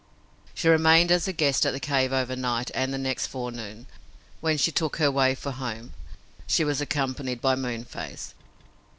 She remained as a guest at the cave overnight and the next forenoon, when she took her way for home, she was accompanied by Moonface.